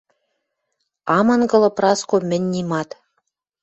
Ам ынгылы, Праско, мӹнь нимат.